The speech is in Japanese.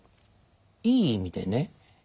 いい意味でね